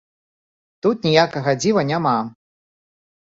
Тут ніякага дзіва няма!